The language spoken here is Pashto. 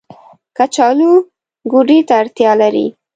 کچالو ګودې ته اړتيا لري